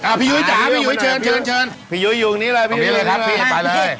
อ่ะพี่ยุ้ยถามพี่ยุ้ยเชิญพี่ยุ้ยอยู่ตรงนี้เลยพี่ยุ้ยอยู่ตรงนี้เลย